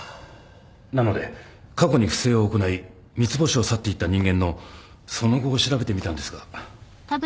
なので過去に不正を行い三ツ星を去っていった人間のその後を調べてみたんですが。